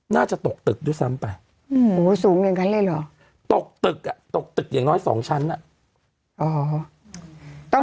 น่าจะตกตึกด้วยซ้ำไปสูงอย่างนั้นเลยเหรอตกตึกอ่ะตกตึกอย่างน้อยสองชั้นอ่ะ